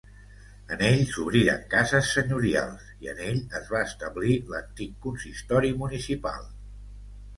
En ell s'obriren cases senyorials i en ell es va establir l'antic consistori municipal.